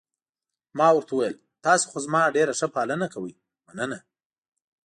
ما ورته وویل: تاسي خو زما ډېره ښه پالنه کوئ، مننه.